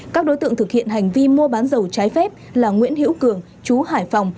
các đối tượng thực hiện hành vi mua bán dầu trái phép là nguyễn hữu cường chú hải phòng